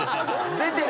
出てる。